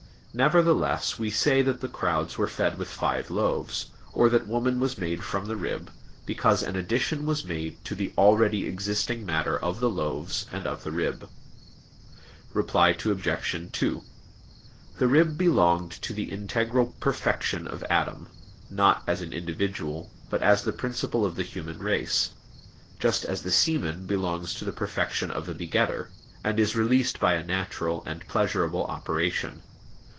Nevertheless, we say that the crowds were fed with five loaves, or that woman was made from the rib, because an addition was made to the already existing matter of the loaves and of the rib. Reply Obj. 2: The rib belonged to the integral perfection of Adam, not as an individual, but as the principle of the human race; just as the semen belongs to the perfection of the begetter, and is released by a natural and pleasurable operation.